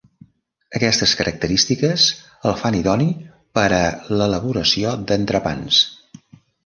Aquestes característiques el fan idoni per a l'elaboració d'entrepans.